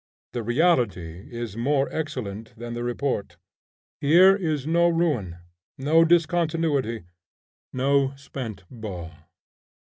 The reality is more excellent than the report. Here is no ruin, no discontinuity, no spent ball.